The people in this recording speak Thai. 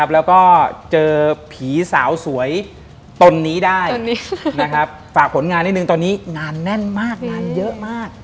แล้วก็เจอผีสาวสวยตนนี้ได้ฝากผลงานนิดนึงตอนนี้งานแน่นมากงานเยอะมาก